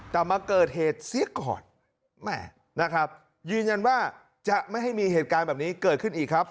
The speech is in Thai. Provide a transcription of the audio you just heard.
แต่มาเกิดเหตุเสียก่อนแม่นะครับยืนยันว่าจะไม่ให้มีเหตุการณ์แบบนี้เกิดขึ้นอีกครับ